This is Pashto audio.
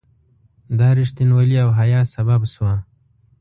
دا رښتینولي او حیا سبب شوه.